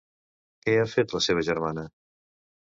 Què ha fet la seva germana?